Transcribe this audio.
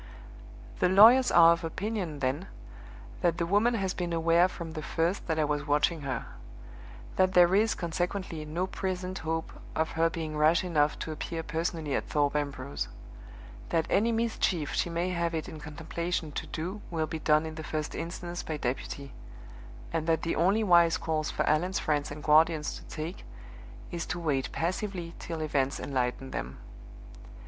"The lawyers are of opinion, then, that the woman has been aware from the first that I was watching her; that there is, consequently, no present hope of her being rash enough to appear personally at Thorpe Ambrose; that any mischief she may have it in contemplation to do will be done in the first instance by deputy; and that the only wise course for Allan's friends and guardians to take is to wait passively till events enlighten them.